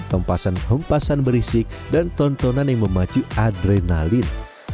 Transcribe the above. hempasan hempasan berisik dan tontonan yang memacu adrenalin